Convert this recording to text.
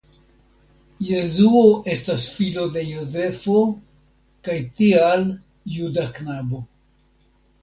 Jesuo estas filo de Jozefo kaj tial juda knabo.